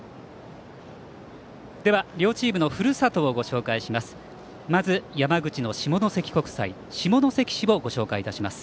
両チームのふるさとをご紹介します。